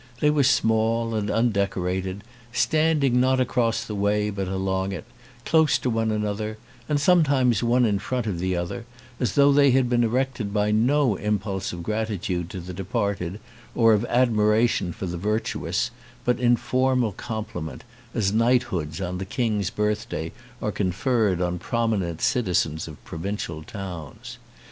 They were small and undecorated, stand ing not across the way but along it, close to one another, and sometimes one in front of the other, as though they had been erected by no impulse of gratitude to the departed or of admiration for the virtuous but in formal compliment, as knight hoods on the King's birthday are conferred on prominent citizens of provincial towns.